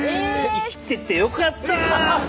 生きててよかった！